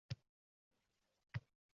O‘zi ko‘p yurgan yo‘lni topib oldi.